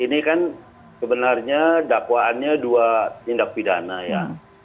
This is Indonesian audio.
ini kan sebenarnya dakwaannya dua tindak pidana ya